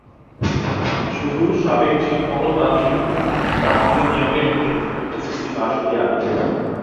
শুধু সাবেক ছিটমহলবাসী প্রার্থীদের নিয়োগের ক্ষেত্রে এসএসসি পাস হলেই আবেদন করা যাবে।